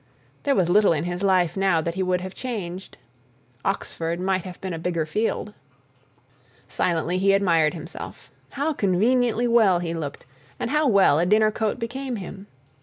There was little in his life now that he would have changed. ... Oxford might have been a bigger field. Silently he admired himself. How conveniently well he looked, and how well a dinner coat became him.